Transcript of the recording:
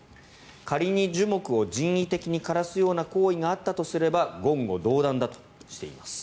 仮に樹木を人為的に枯らすような行為があったとすれば言語道断だとしています。